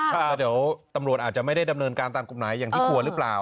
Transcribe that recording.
แล้วเดี๋ยวตำรวจอาจจะไม่ได้ดำเนินการตามกฎหมายอย่างที่ควรหรือเปล่า